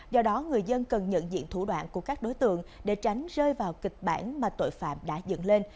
do đó người dân cần nhận diện thủ đoạn của các đối tượng để tránh rơi vào kịch bản mà tội phạm đã dựng lên